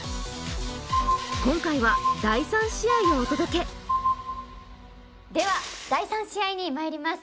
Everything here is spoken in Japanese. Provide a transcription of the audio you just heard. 今回は第３試合をお届けでは第３試合にまいります